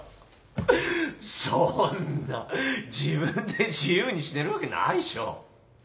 そんな自分で自由に死ねるわけないっしょ。